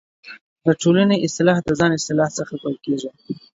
دټولنۍ اصلاح دځان څخه پیل کیږې